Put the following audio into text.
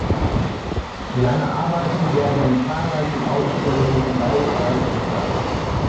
Seine Arbeiten werden in zahlreichen Ausstellungen weltweit gezeigt.